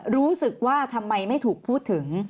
รู้สึกว่าทำไมไม่ถูกพูดถึง